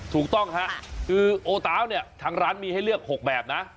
ถูกต้องค่ะคือโอตาวเนี่ยทางร้านมีให้เลือก๖แบบนะ